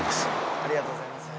ありがとうございます。